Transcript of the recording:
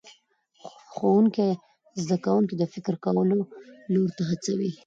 ښوونکی زده کوونکي د فکر کولو لور ته هڅوي